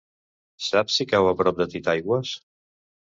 Saps si cau a prop de Titaigües?